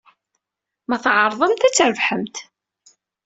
Ma tɛerḍemt, ad trebḥemt.